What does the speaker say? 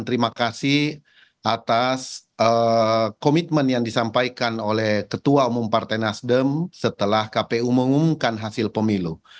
terima kasih atas komitmen yang disampaikan oleh ketua umum partai nasdem setelah kpu mengumumkan hasil pemilu